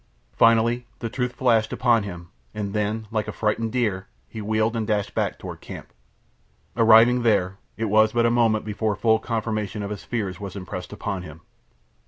Finally the truth flashed upon him, and then, like a frightened deer, he wheeled and dashed back toward camp. Arriving there, it was but a moment before full confirmation of his fears was impressed upon him.